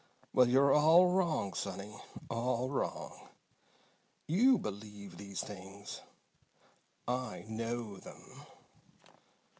Well, you're all wrong, sonny. All wrong! You believe these things. I know them!"